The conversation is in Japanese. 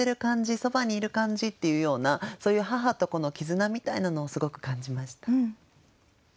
そばにいる感じっていうようなそういう母と子の絆みたいなのをすごく感じました。